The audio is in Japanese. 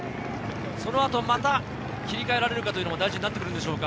その後また切り替えられるかというのも大事になってくるでしょうか。